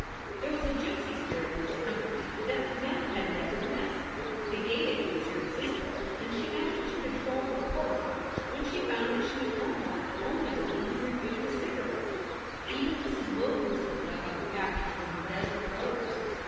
There was a gypsy spirit in this company that Mem had never met. The gayety was irresistible, and she managed to control her horror when she found that she was almost the only woman who refused a cigarette. Even Mrs. Wilkinson dug up a package from her desert robes.